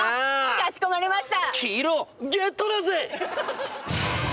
かしこまりました。